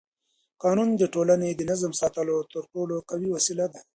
قانون د ټولنې د نظم ساتلو تر ټولو قوي وسیله ده